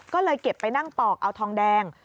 ก็เลยเก็บไปนั่งปอกเอาทองแดง